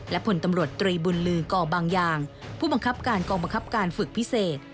และผลตำรวจตรีบุญลือก่อบางอย่างผู้บังคับการกองบังคับการฝึกพิเศษ